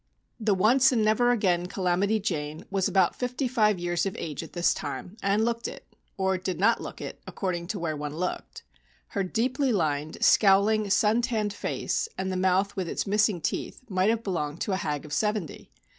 The "once and never again 'Calamity Jane,'" was about fifty five years of age at this time, and looked it, or did not look it, according to where one looked. Her deeply lined, scowling, sun tanned face and the mouth with its missing teeth might have belonged to a hag of seventy.